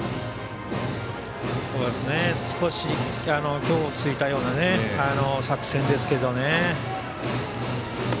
少し虚を突いたような作戦ですけどね。